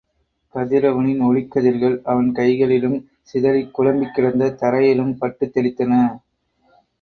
கதிரவனின் ஒளிக்கதிர்கள் அவன் கைகளிலும், சிதறிக்குழம்பிக் கிடந்த தரையிலும் பட்டுத் தெளித்தன.